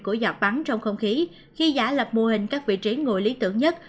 của giọt bắn trong không khí khi giả lập mô hình các vị trí ngồi lý tưởng nhất